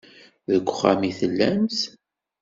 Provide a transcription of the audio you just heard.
Deg uxxam i tellamt?